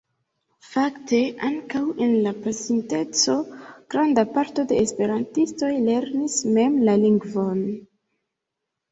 Fakte ankaŭ en la pasinteco granda parto de esperantistoj lernis mem la lingvon.